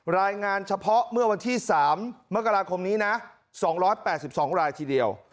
รายงานเฉพาะเมื่อวันที่๓มกราคมนี้นะ๒๘๒รายทีเดียว